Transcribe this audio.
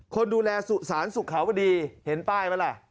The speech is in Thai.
คนดูแลสุสานสุขาวดีเห็นป้ายไหมล่ะ